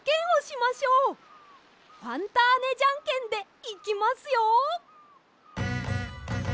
ファンターネジャンケンでいきますよ。